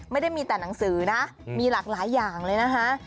ไม่ได้มีแต่หนังสือนะมีหลากหลายอย่างเลยนะคะ